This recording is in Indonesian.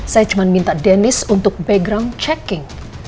saya cuma minta denis untuk background checking